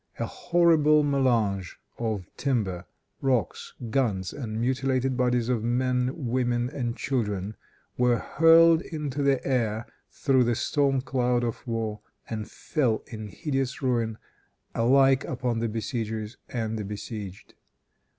A horrible melange of timbers, rocks, guns and mutilated bodies of men, women and children were hurled into the air through this storm cloud of war, and fell in hideous ruin alike upon the besiegers and the besieged.